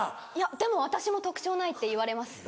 でも私も特徴ないって言われますよ。